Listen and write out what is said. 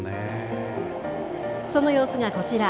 その様子がこちら。